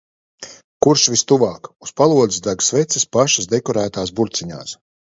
Kurš vistuvāk. Uz palodzes deg sveces pašas dekorētās burciņās.